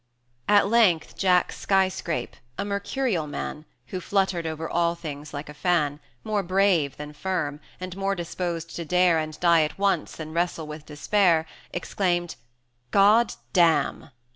120 V. At length Jack Skyscrape, a mercurial man, Who fluttered over all things like a fan, More brave than firm, and more disposed to dare And die at once than wrestle with despair, Exclaimed, "G d damn!"